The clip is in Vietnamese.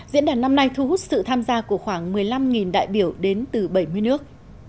diễn đàn năm nay thu hút sự tham gia của khoảng một mươi năm đại biểu đến từ bảy mươi nước